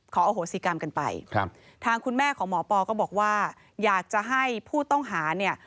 โหสิกรรมกันไปครับทางคุณแม่ของหมอปอก็บอกว่าอยากจะให้ผู้ต้องหาเนี่ย